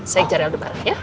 saya cari al tabaran ya